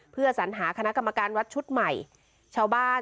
เพื่อสัญหาคณะกรรมการวัดชุดใหม่ชาวบ้าน